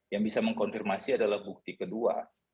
yang bisa mengkonfirmasi adalah bukti kedua